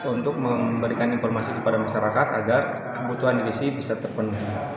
untuk memberikan informasi kepada masyarakat agar kebutuhan gigi bisa terpenuhi